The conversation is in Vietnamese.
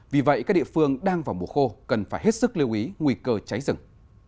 vì vậy các địa phương đang vào mùa khô cần phải hết sức lưu ý nguy cơ cháy rừng